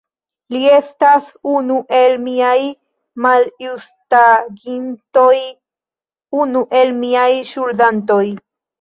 Li estas unu el miaj maljustagintoj, unu el miaj ŝuldantoj!